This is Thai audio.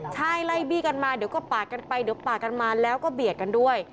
ใช่ไล่บี้กันมาเดี๋ยวก็ปาดกันไปเดี๋ยวปาดกันมาแล้วก็เบียดกันด้วย